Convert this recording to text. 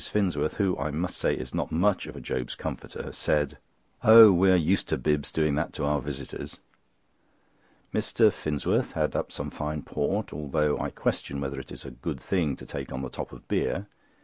Finsworth, who, I must say, is not much of a Job's comforter, said: "Oh! we are used to Bibbs doing that to our visitors." Mr. Finsworth had up some fine port, although I question whether it is a good thing to take on the top of beer.